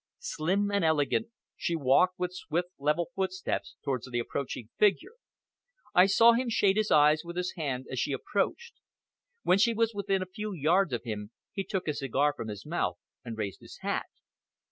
Slim and elegant, she walked with swift level footsteps towards the approaching figure. I saw him shade his eyes with his hand as she approached; when she was within a few yards of him he took his cigar from his mouth and raised his hat.